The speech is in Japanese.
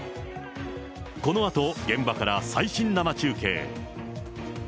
このあと現場から最新生中継。